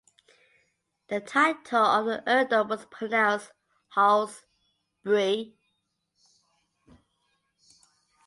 The title of the earldom was pronounced "Hauls"-bry".